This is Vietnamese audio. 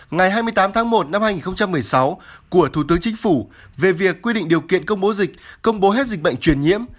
ngày hai mươi tám tháng một năm hai nghìn một mươi sáu của thủ tướng chính phủ về việc quy định điều kiện công bố dịch công bố hết dịch bệnh truyền nhiễm